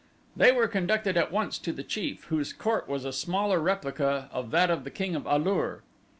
They were conducted at once to the chief, whose court was a smaller replica of that of the king of A lur.